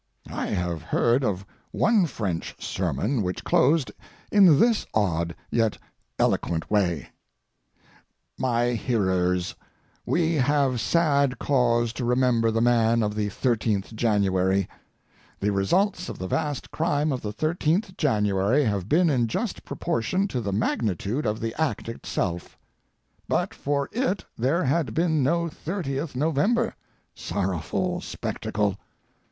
I have heard of one French sermon which closed in this odd yet eloquent way: "My hearers, we have sad cause to remember the man of the 13th January. The results of the vast crime of the 13th January have been in just proportion to the magnitude of the act itself. But for it there had been no 30th November—sorrowful spectacle!